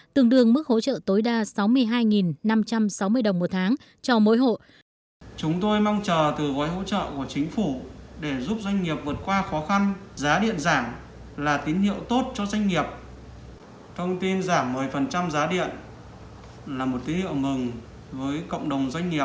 tương đương mức hỗ trợ tối đa sáu mươi hai năm trăm sáu mươi đồng một tháng cho mỗi hộ